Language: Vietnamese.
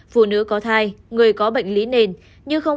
phụ nữ có thai người có bệnh lý nền